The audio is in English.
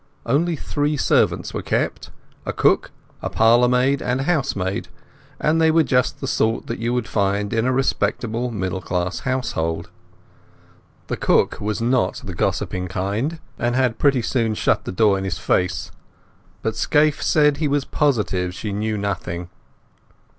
Only three servants were kept, a cook, a parlour maid, and a housemaid, and they were just the sort that you would find in a respectable middle class household. The cook was not the gossiping kind, and had pretty soon shut the door in his face, but Scaife said he was positive she knew nothing.